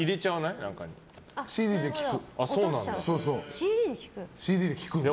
ＣＤで聴く。